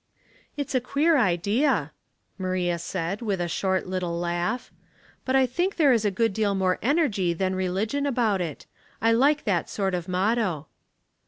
"It's a queer idea," Maria said, with a short, 368 Household Puzzles, little laugh ;" but I think there is a good deal more energy than religion about it. I like that sort of motto."